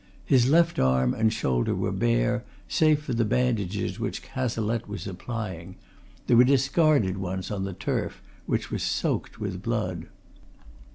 His left arm and shoulder were bare, save for the bandages which Cazalette was applying there were discarded ones on the turf which were soaked with blood.